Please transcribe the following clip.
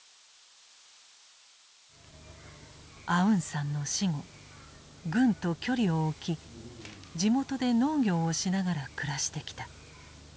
アウンサンの死後軍と距離を置き地元で農業をしながら暮らしてきた。